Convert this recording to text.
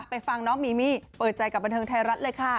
ฟังน้องมีมี่เปิดใจกับบันเทิงไทยรัฐเลยค่ะ